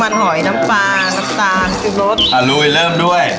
น้ำมันหอยน้ำปลาน้ำตาเลสซูบรสอ่ะลูยเริ่มด้วย